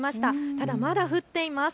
ただまだ降っています。